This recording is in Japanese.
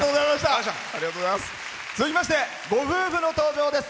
続きましてご夫婦の登場です。